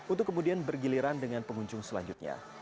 untuk kemudian bergiliran dengan pengunjung selanjutnya